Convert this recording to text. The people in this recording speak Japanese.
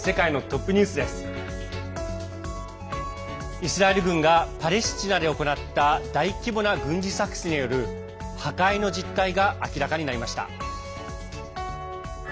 イスラエル軍がパレスチナで行った大規模な軍事作戦による破壊の実態が明らかになりました。